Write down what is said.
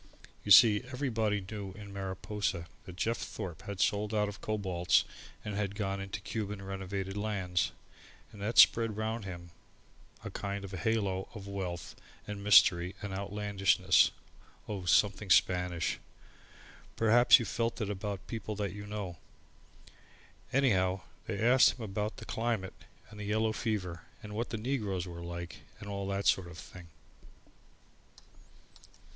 You see, everybody knew in Mariposa that Jeff Thorpe had sold out of Cobalts and had gone into Cuban Renovated Lands and that spread round him a kind of halo of wealth and mystery and outlandishness oh, something Spanish. Perhaps you've felt it about people that you know. Anyhow, they asked him about the climate, and yellow fever and what the negroes were like and all that sort of thing.